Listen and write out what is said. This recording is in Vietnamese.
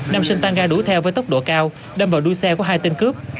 nam sinh tăng ga đuổi theo với tốc độ cao đâm vào đuôi xe của hai tên cướp